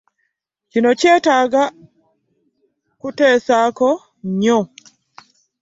Kino kyetaaga kuteesaako nnyo.